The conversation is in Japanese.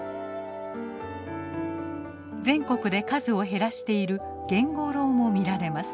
全国で数を減らしているゲンゴロウも見られます。